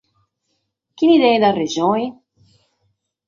Chie tenet resone?